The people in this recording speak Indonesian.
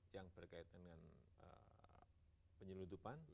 yang berkaitan dengan penyeludupan